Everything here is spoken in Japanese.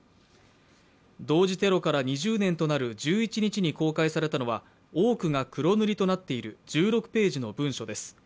同時テロから２０年となる１１日に公開されたのは多くが黒塗りとなっている１６ページの文書です。